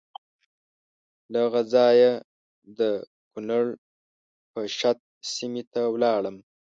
له هغه ځایه د کنړ پَشَت سیمې ته ولاړم.